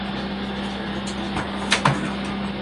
Famosa cantante, símbolo indiscutido de la serie Macross.